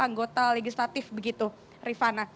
anggota legislatif begitu rifana